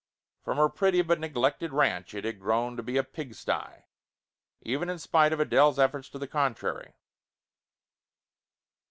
From a pretty but neglected ranch it had grown to be a pigsty ! Even in spite of Adele's efforts to the contrary.